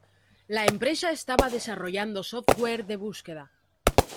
La empresa estaba desarrollando software de búsqueda.